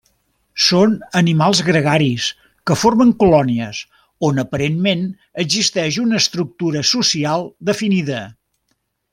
Són animals gregaris que formen colònies on aparentment existeix una estructura social definida.